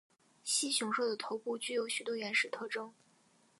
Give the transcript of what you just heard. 蜥熊兽的头部具有许多原始特征。